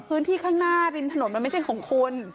พื้นที่ข้างหน้าริมถนนมันไม่ใช่ของคุณ